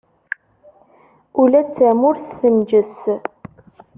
Ula d tamurt tenǧes.